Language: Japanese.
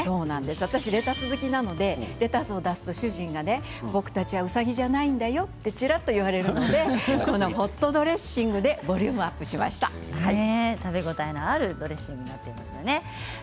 私、レタス好きなのでレタスを出すと主人が僕たちはうさぎじゃないんだよとちらっと言われるのでこのホットドレッシングで食べ応えのあるドレッシングになっています。